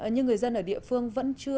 nhưng người dân ở địa phương vẫn chưa